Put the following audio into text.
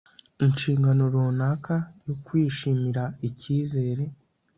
Inshingano runaka yo kwishimira ikizere